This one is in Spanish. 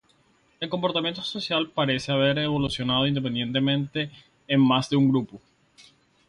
El comportamiento social parece haber evolucionado independientemente en más de un grupo.